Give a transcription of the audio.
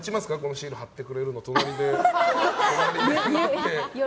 シール貼ってくれるの、隣で。